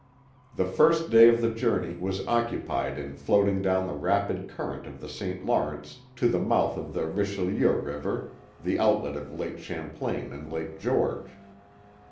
The first day of the journey was occupied in floating down the rapid current of the St. Lawrence to the mouth of the Richelieu River, the outlet of Lake Champlain and Lake George.